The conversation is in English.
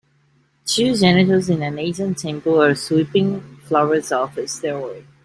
Two janitors in an Asian temple are sweeping flowers off a stairway